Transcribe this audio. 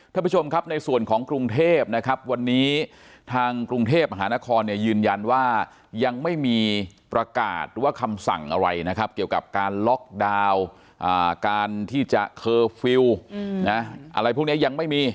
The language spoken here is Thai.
ท่านผู้ชมครับในส่วนของกรุงเทพนะครับวันนี้ทางกรุงเทพมหานครเนี่ยยืนยันว่ายังไม่มีประกาศหรือว่าคำสั่งอะไรนะครับเกี่ยวกับการล็อกดาวน์การที่จะเคอร์ฟิลล์อะไรพวกนี้ยังไม่มี